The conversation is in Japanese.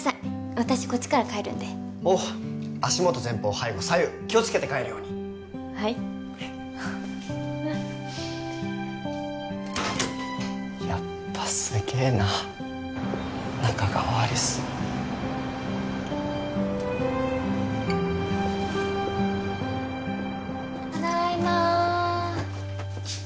私こっちから帰るんでおう足元前方背後左右気をつけて帰るようにはいやっぱすげえな仲川有栖ただいま